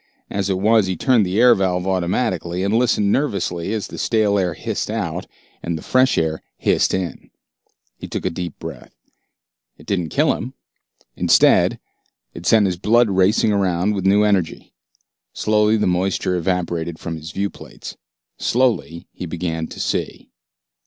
As it was, he turned the air valve automatically, and listened nervously as the stale air hissed out and the fresh air hissed in. He took a deep breath. It didn't kill him. Instead, it sent his blood racing around with new energy. Slowly the moisture evaporated from his viewplates. Slowly he began to see.